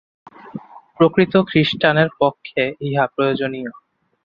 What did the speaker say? প্রকৃত খ্রীষ্টানের পক্ষে ইহা প্রয়োজনীয়।